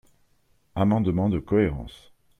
Amendement de cohérence.